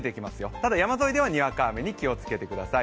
ただ、山沿いではにわか雨に気をつけてください。